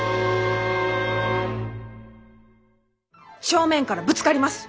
正面からぶつかります！